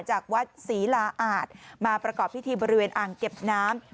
จากวัดศรีลาอาจมาประกอบพิธีบริเวณอ่างเก็บน้ำ